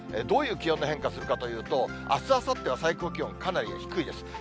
どういう気温の変化するかというと、あす、あさっては、最高気温、かなり低いです。